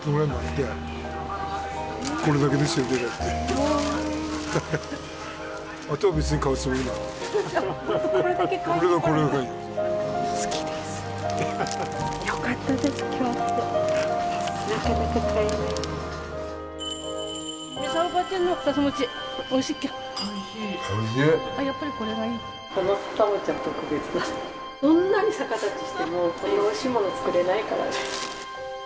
どんなに逆立ちしてもこんなおいしいもの作れないからね。